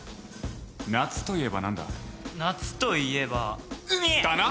夏といえば何だ？夏といえば海！だな。